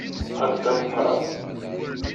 A Dda Meqqran.